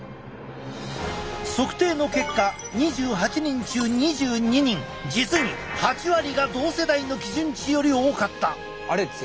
測定の結果２８人中２２人実に８割が同世代の基準値より多かった。